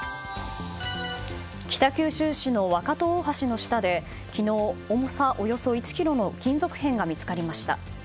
北九州市の若戸大橋の下で昨日、重さおよそ１ｋｇの金属片が見つかりました。